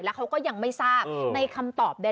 เขาก็ยังไม่ทราบในคำตอบใด